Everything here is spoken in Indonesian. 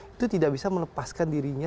itu tidak bisa melepaskan dirinya